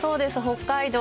北海道。